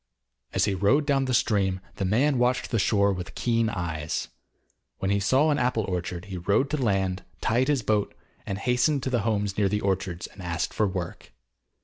As he rowed down the stream, the man watched the shore with keen eyes. When he saw an apple orchard he rowed to land, tied his boat, hastened to the homes near the orchards and asked for work.